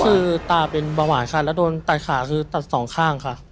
คือตาเป็นเบาหวานค่ะแล้วโดนตัดขาคือตัดสองข้างค่ะ